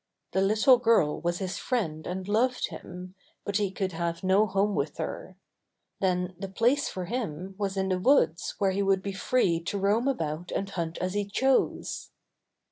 The little girl was his friend and loved him, but he could have no home with her. Then the place for him was in the woods where he would be free to roam about and hunt as he chose.